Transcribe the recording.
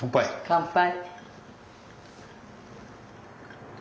乾杯！